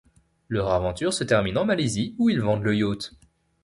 Leur aventure se termine en Malaisie où ils vendent le yacht.